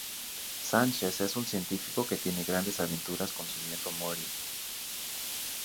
Sánchez es un científico que tiene grandes aventuras con su nieto Morty.